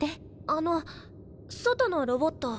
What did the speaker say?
あの外のロボット